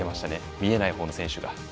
見えないほうの選手が。